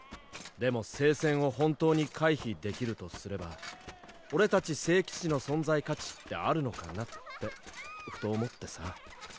でも聖戦を本当に回避できるとすれば俺たち聖騎士の存在価値ってあるのかなってふと思ってさ。